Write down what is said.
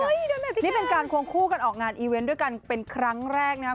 นี่เป็นการควงคู่กันออกงานอีเวนต์ด้วยกันเป็นครั้งแรกนะครับ